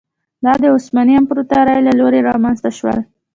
دا د عثماني امپراتورۍ له لوري رامنځته شول.